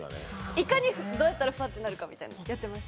いかにどうなったらふわってなるか、やってました。